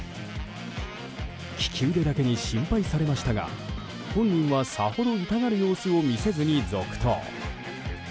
利き腕だけに心配されましたが本人は、さほど痛がる様子を見せずに続投。